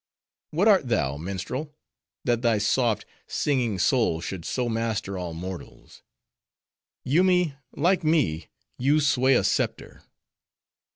—What art thou, minstrel, that thy soft, singing soul should so master all mortals? Yoomy, like me, you sway a scepter."